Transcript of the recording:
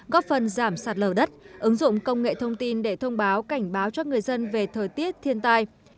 góp phần giảm sạt lở đất ứng dụng công nghệ thông tin để thông báo cảnh báo cho người dân về thời tiết thiên tai